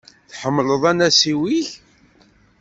Tḥemmleḍ anasiw-ik?